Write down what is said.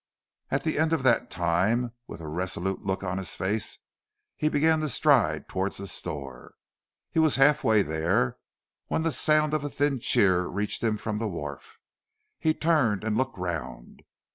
At the end of that time, with a resolute look on his face, he began to stride towards the store. He was half way there when the sound of a thin cheer reached him from the wharf. He turned and looked round.